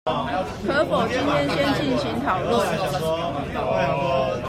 可否今天先進行討論